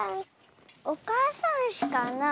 おかあさんうしかな